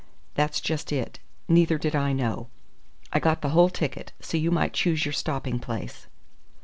"That's just it. Neither did I know. I got the whole ticket, so you might choose your stopping place."